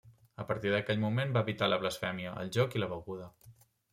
A partir d'aquell moment va evitar la blasfèmia, el joc i la beguda.